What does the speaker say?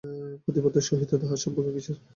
প্রতাপাদিত্যের সহিত তাঁহার সম্পর্ক কিসের?